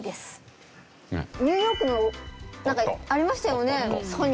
ニューヨークのなんかありましたよね